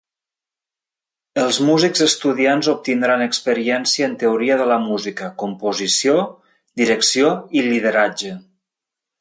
Els músics estudiants obtindran experiència en teoria de la música, composició, direcció i lideratge.